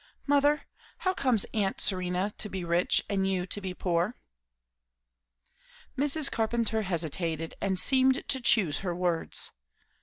"Mother, how comes aunt Serena to be rich and you to be poor?" Mrs. Carpenter hesitated and seemed to choose her words.